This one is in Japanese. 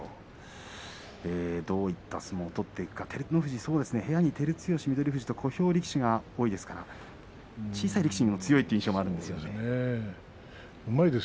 どういった相撲を取っていくか照ノ富士は部屋に照強翠富士と小兵力士が多いですから小さい力士にも強いという印象があります。